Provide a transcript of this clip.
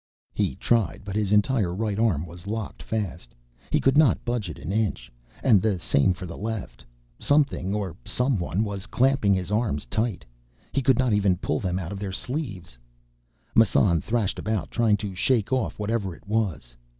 He tried, but his entire right arm was locked fast. He could not budge it an inch. And the same for the left. Something, or someone, was clamping his arms tight. He could not even pull them out of their sleeves. Massan thrashed about, trying to shake off whatever it was.